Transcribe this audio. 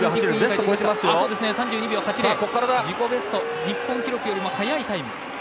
自己ベスト、日本記録よりも速いタイム。